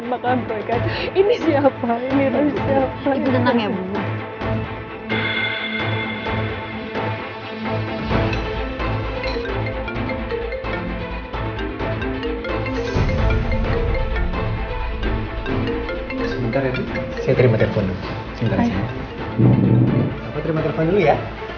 aku terima telepon dulu ya